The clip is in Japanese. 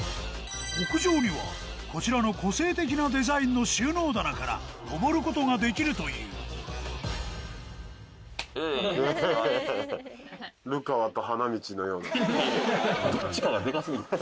屋上にはこちらの個性的なデザインの収納棚から登ることができるというのような。